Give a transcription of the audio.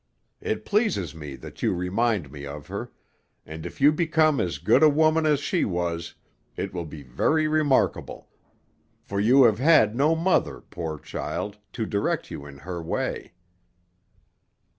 "It pleases me that you remind me of her, and if you become as good a woman as she was, it will be very remarkable, for you have had no mother, poor child, to direct you in her way."